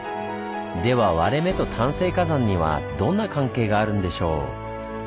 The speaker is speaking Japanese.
では割れ目と単成火山にはどんな関係があるんでしょう？